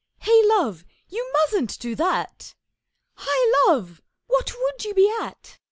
'Hey, Love, you mustn't do that! Hi, Love, what would you be at?